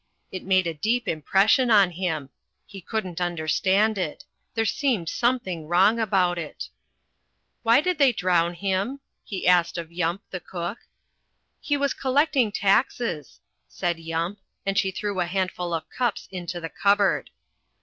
It made a deep impression on him. He couldn't understand it. There seemed something wrong about it. "Why did they drown him?" he asked of Yump, the cook. "He was collecting taxes," said Yump, and she threw a handful of cups into the cupboard.